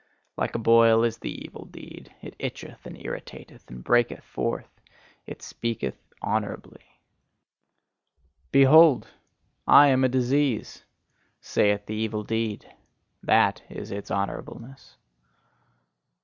Like a boil is the evil deed: it itcheth and irritateth and breaketh forth it speaketh honourably. "Behold, I am disease," saith the evil deed: that is its honourableness.